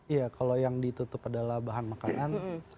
iya kalau yang ditutup adalah bahan makanan